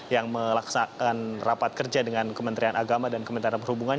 yang melaksanakan rapat kerja dengan kementerian agama dan kementerian perhubungan